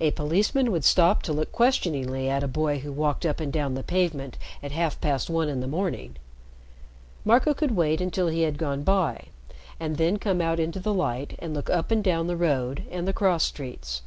A policeman would stop to look questioningly at a boy who walked up and down the pavement at half past one in the morning. Marco could wait until he had gone by, and then come out into the light and look up and down the road and the cross streets.